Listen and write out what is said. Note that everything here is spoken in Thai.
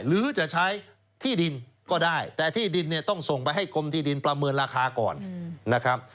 หรือจะใช้ที่ดินก็ได้แต่ที่ดินเนี่ยต้องส่งไปให้กรมที่ดินประเมินราคาก่อนนะครับ